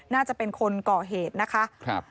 น่าจะเป็นคนก่อเหตุนะคะ